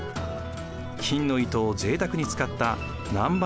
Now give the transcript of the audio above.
金の糸をぜいたくに使った南蛮